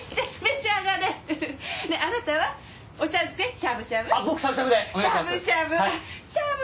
しゃぶしゃぶ！